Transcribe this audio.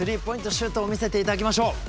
シュートを見せて頂きましょう。